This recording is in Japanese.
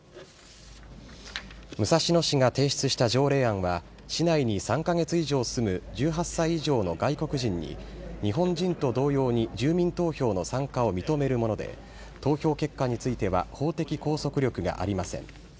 武蔵野市が提出した条例案は、市内に３か月以上住む１８歳以上の外国人に、日本人と同様に住民投票の参加を認めるもので、投票結果については、法的拘束力がありません。